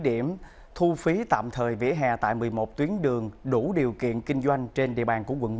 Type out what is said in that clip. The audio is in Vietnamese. điểm thu phí tạm thời vỉa hè tại một mươi một tuyến đường đủ điều kiện kinh doanh trên địa bàn của quận một